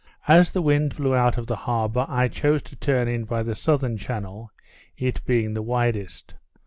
As the wind blew out of the harbour, I chose to turn in by the southern channel, it being the widest.